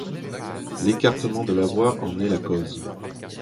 L'écartement de la voie en est la cause.